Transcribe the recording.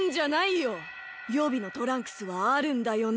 よびのトランクスはあるんだよね？